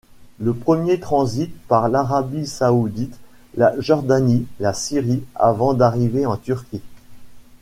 Le premier transite par l’Arabie saoudite, la Jordanie, la Syrie avant d’arriver en Turquie.